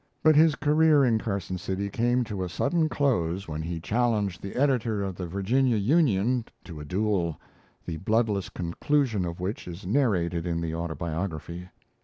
But his career in Carson City came to a sudden close when he challenged the editor of the Virginia Union to a duel, the bloodless conclusion of which is narrated in the Autobiography.